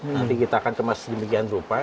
nanti kita akan kemas sedemikian rupa